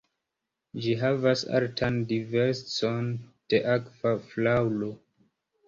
Ĝi havas altan diversecon de akva flaŭro.